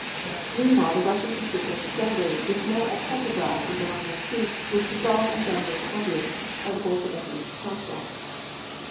Meanwhile the Russian Constituent Assembly which met at Petrograd on January 19th, was dissolved on January 20th, by the Bolsheviki Council.